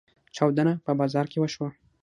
چاودنه په بازار کې وشوه.